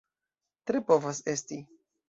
Tre povas esti.